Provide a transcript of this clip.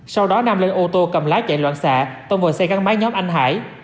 sau đó nam lên ô tô cầm lái chạy loạn xạ tông vào xe gắn máy nhóm anh hải